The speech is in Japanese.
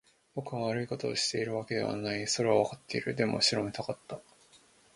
僕は悪いことをしているわけではない。それはわかっている。でも、後ろめたかった。